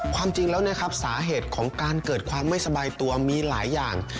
ความจริงแล้วนะครับสาเหตุของการเกิดความไม่สบายตัวมีหลายอย่าง